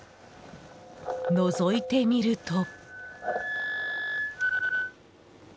のぞいてみると。